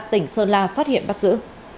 tỉnh sơn la phát hiện bắt giữ